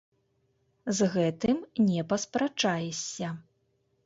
З гэтым не паспрачаешся.